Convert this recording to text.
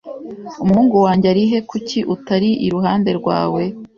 Umuhungu wanjye ari he Kuki utari iruhande rwawe